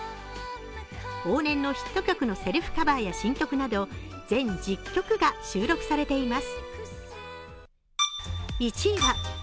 往年のヒット曲のセルフカバーや新曲など全１０曲が収録されています。